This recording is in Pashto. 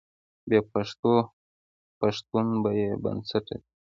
بې پښتوه پښتون بې بنسټه دی.